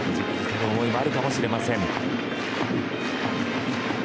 思いはあるかもしれません。